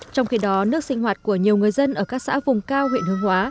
trong khi đó nước sinh hoạt của nhiều người dân ở các xã vùng cao huyện hương hóa